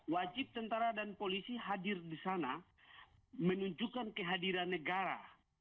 wajib tentara dan polisi hadir di sana menunjukkan kehadiran negara